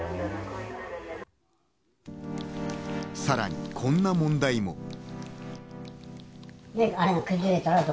さらにこんな問題も。